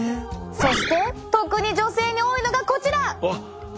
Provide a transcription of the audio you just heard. そして特に女性に多いのがこちら！